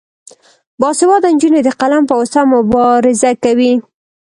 باسواده نجونې د قلم په واسطه مبارزه کوي.